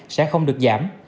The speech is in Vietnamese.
sẽ không được giảm